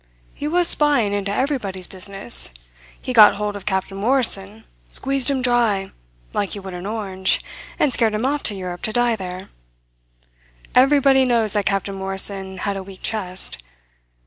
He was spying into everybody's business. He got hold of Captain Morrison, squeezed him dry, like you would an orange, and scared him off to Europe to die there. Everybody knows that Captain Morrison had a weak chest.